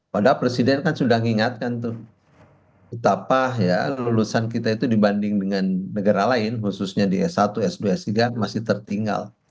padahal presiden kan sudah mengingatkan tuh betapa ya lulusan kita itu dibanding dengan negara lain khususnya di s satu s dua s tiga masih tertinggal